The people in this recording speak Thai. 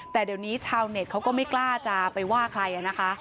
แต่เดี๋ยวนี้ชาวเน็ตเขาก็ไม่กล้าจะไปว่าใครนะคะ